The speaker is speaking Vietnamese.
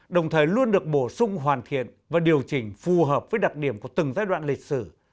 đồng thời luôn được bổ sung hoàn thiện và điều chỉnh phù hợp với đặc điểm của từng giai đoạn lịch sử